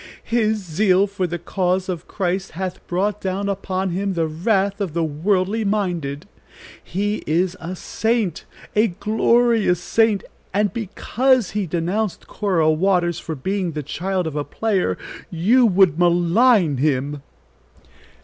"His zeal for the cause of Christ hath brought down upon him the wrath of the worldly minded. He is a saint a glorious saint, and because he denounced Cora Waters for being the child of a player, you would malign him."